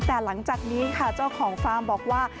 แต่หลังจากนี้ค่ะเจ้าของฟาร์มบอกว่า